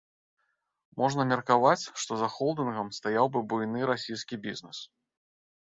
Можна меркаваць, што за холдынгам стаяў бы буйны расійскі бізнэс.